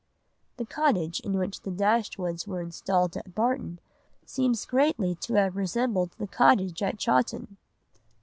The cottage in which the Dashwoods were installed at Barton seems greatly to have resembled the cottage at Chawton.